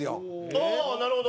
ああーなるほど。